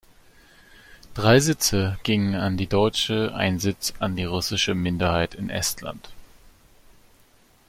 Drei Sitze gingen an die deutsche, ein Sitz an die russische Minderheit in Estland.